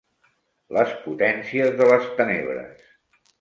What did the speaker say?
Les potències de les tenebres.